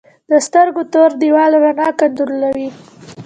د سترګو تور دیوال رڼا کنټرولوي